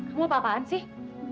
kamu apa apaan sih